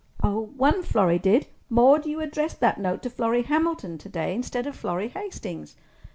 "One Florrie did. Maude, you addressed that note to Florrie Hamilton today instead of Florrie Hastings."